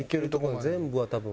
全部は多分。